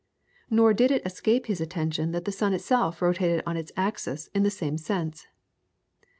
Nor did it escape his attention that the sun itself rotated on its axis in the same sense.